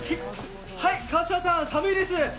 川島さん、寒いです！